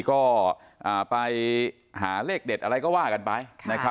ก็ไปหาเลขเด็ดอะไรก็ว่ากันไป